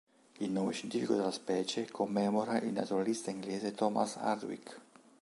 Il nome scientifico della specie commemora il naturalista inglese Thomas Hardwicke.